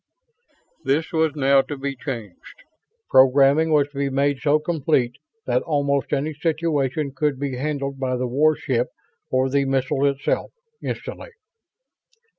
This was now to be changed. Programming was to be made so complete that almost any situation could be handled by the warship or the missile itself instantly.